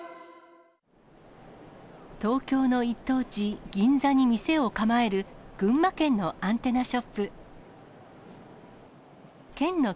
東京の一等地、銀座に店を構える、群馬県のアンテナショップ。